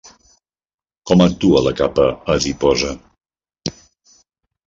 Com actua la capa adiposa?